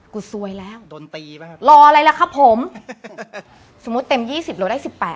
กูสวยแล้วรออะไรละครับผมสมมติเต็ม๒๐เราได้๑๘